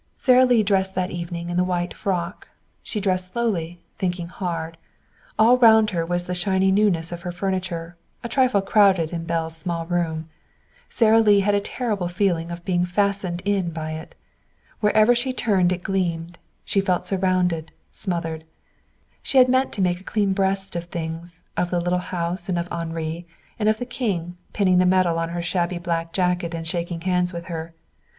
Sara Lee dressed that evening in the white frock. She dressed slowly, thinking hard. All round her was the shiny newness of her furniture, a trifle crowded in Belle's small room. Sara Lee had a terrible feeling of being fastened in by it. Wherever she turned it gleamed. She felt surrounded, smothered. She had meant to make a clean breast of things of the little house, and of Henri, and of the King, pinning the medal on her shabby black jacket and shaking hands with her.